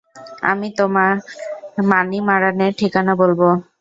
আমি তোমায় মানিমারানের ঠিকানা বলবো!